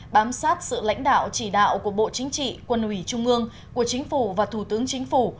bám sát sự lãnh đạo chỉ đạo của bộ chính trị quân ủy trung ương của chính phủ và thủ tướng chính phủ